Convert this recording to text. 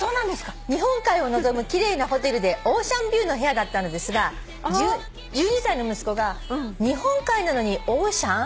「日本海を臨む奇麗なホテルでオーシャンビューの部屋だったのですが１２歳の息子が『日本海なのにオーシャン？』